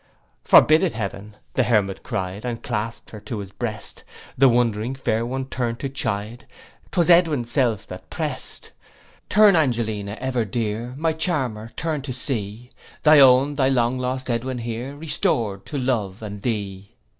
'Forbid it heaven!' the hermit cry'd, And clasp'd her to his breast: The wondering fair one turn'd to chide, 'Twas Edwin's self that prest. 'Turn, Angelina, ever dear, My charmer, turn to see, Thy own, thy long lost Edwin here, Restor'd to love and thee.